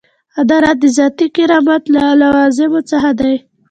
عدالت د ذاتي کرامت له لوازمو څخه دی.